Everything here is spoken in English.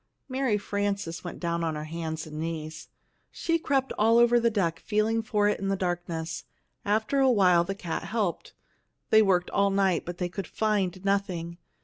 '" Mary Frances went down on her hands and knees. She crept all over the deck, feeling for it in the darkness. After a while the cat helped. They worked all night, but could find nothing.